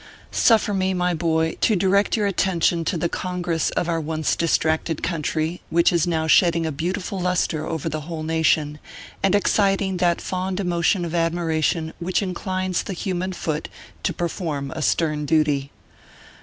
SUFFER me, my boy, to direct your attention to the Congress of our once distracted country, which is now shedding a beautiful lustre over the whole nation, and exciting that fond emotion of admiration which inclines the human foot to perform a stern duty.